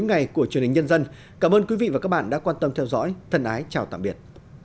bốn ngày của truyền hình nhân dân cảm ơn quý vị và các bạn đã quan tâm theo dõi thân ái chào tạm biệt